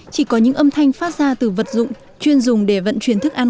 chỉ có những âm thanh phát ra từ vật dụng chuyên dùng để vận chuyển thức ăn